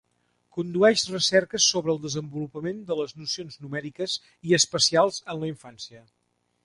Condueix recerques sobre el desenvolupament de les nocions numèriques i espacials en la infància.